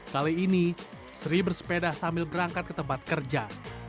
kali ini sri bersepeda sambil berangkat ke tempat kerja